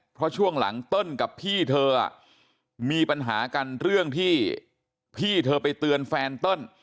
เพราะช่วงหลังเติ้ลกับพี่เธอมีปัญหากันเรื่องที่พี่เธอไปเตือนแฟนเติ้ล